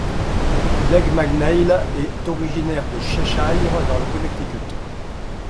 Legs McNeil est originaire de Cheshire, dans le Connecticut.